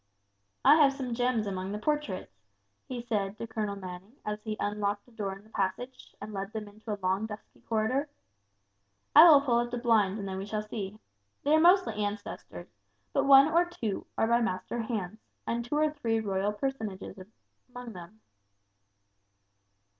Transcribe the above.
"I have some gems amongst the portraits," he said to Colonel Manning as he unlocked a door in the passage, and led them into a long dusky corridor; "I will pull up the blinds and then we shall see. They are mostly ancestors, but one or two are by master hands, and two or three royal personages are amongst them."